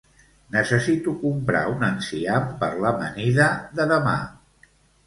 necessito comprar un enciam per l'amanida de demà